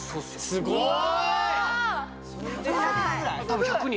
すごーい！